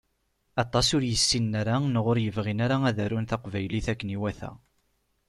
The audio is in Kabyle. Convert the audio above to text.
Aṭas ur yessinen ara neɣ ur yebɣin ara ad arun taqbaylit akken i iwata